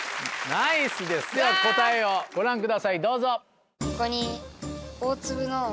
ナイスですでは答えをご覧くださいどうぞ。